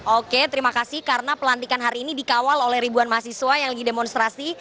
oke terima kasih karena pelantikan hari ini dikawal oleh ribuan mahasiswa yang lagi demonstrasi